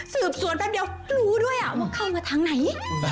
สืบสวนแป๊บเดียวรู้ด้วยว่าเข้ามาทางไหน